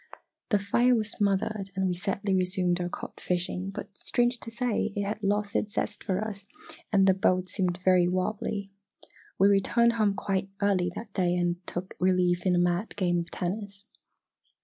The fire was smothered and we sadly resumed our cod fishing, but strange to say, it had lost its zest for us and the boat seemed very wobbly. We returned home quite early that day and took relief in a mad game of tennis.